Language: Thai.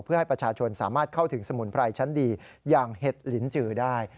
เพื่อให้ประชาชนสามารถเข้าถึงสมุนไพรชั้นดีอย่างเห็ดลินจือได้